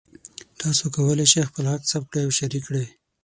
تاسو کولی شئ خپل غږ ثبت کړئ او شریک کړئ.